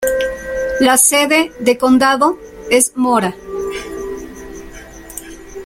La sede de condado es Mora.